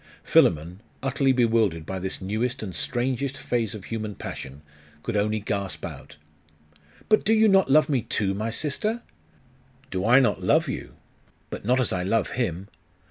Philammon, utterly bewildered by this newest and strangest phase of human passion, could only gasp out 'But do you not love me, too, my sister?' 'Do I not love you? But not as I love him!